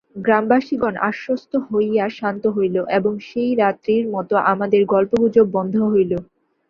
গ্রামবাসিগণ আশ্বস্ত হইয়া শান্ত হইল, এবং সেই রাত্রির মত আমাদের গল্পগুজব বন্ধ হইল।